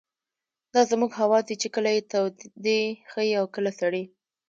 دا زموږ حواس دي چې کله يې تودې ښيي او کله سړې.